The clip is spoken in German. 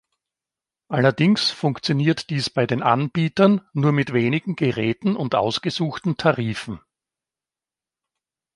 Allerdings funktioniert dies bei den Anbietern nur mit wenigen Geräten und ausgesuchten Tarifen.